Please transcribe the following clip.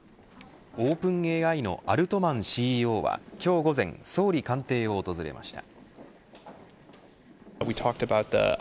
ＯｐｅｎＡＩのアルトマンＣＥＯは、今日午前総理官邸を訪れました。